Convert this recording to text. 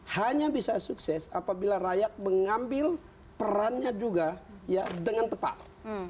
hanya bisa sukses apabila rakyat mengambil perannya juga ya dengan tepat